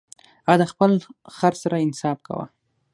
هغه د خپل خر سره انصاف کاوه.